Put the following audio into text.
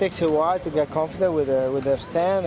maksud saya itu mengambil waktu untuk mengetahui stand nya dan segalanya